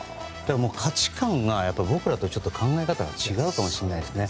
価値観が僕らと考え方が違うかもしれないですね。